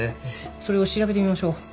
それを調べてみましょう。